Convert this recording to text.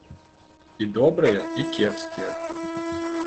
І добрыя, і кепскія.